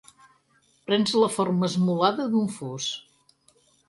Prens la forma esmolada d'un fus.